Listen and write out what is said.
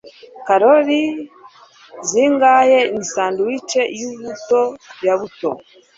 Kalori zingahe ni sandwich ya buto ya buto?